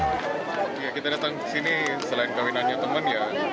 ya kita datang ke sini selain kawinannya teman ya